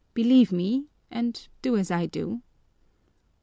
Believe me, and do as I do."